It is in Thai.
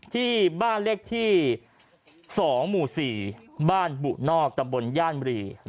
ที่บ้านเลขที่๒หมู่๔บ้านบุนอกตำบลย่านบรี